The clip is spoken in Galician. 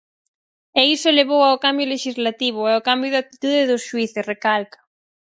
E iso levou ao cambio lexislativo e ao cambio de actitude dos xuíces, recalca.